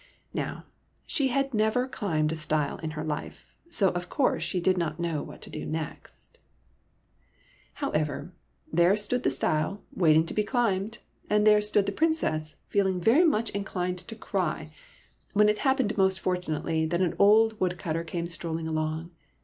Now, she had never climbed a stile in her life, so of course she did not know what to do next. 90 SOMEBODY ELSE^S PRINCE However, there stood the stile waiting to be climbed, and there stood the Princess feeling very much inclined to cry, when it happened most fortunately that an old woodcutter came strolling along.